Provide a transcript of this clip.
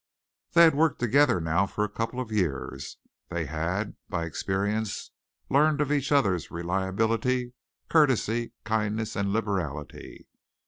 They had worked together now for a couple of years. They had, by experience, learned of each other's reliability, courtesy, kindness and liberality.